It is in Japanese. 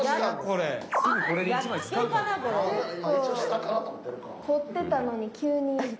結構凝ってたのに急に。